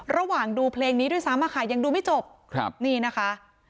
ระหว่างดูเพลงนี้ด้วยซ้ำอะค่ะยังดูไม่จบครับนี่นะคะ